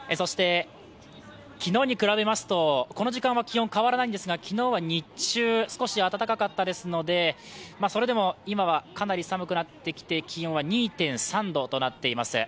昨日に比べますと、この時間は気温変わらないんですが、昨日は日中、少し暖かかったですのでそれでも今はかなり寒くなって気温は２．３度となっています。